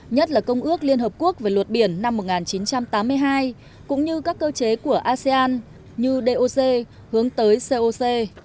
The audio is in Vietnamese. nhất là công ước liên hợp quốc về luật biển năm một nghìn chín trăm tám mươi hai cũng như các cơ chế của asean như doc hướng tới coc